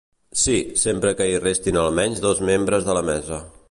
Sí, sempre que hi restin almenys dos membres de la mesa.